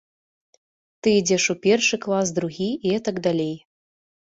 Ты ідзеш у першы клас, другі і гэтак далей.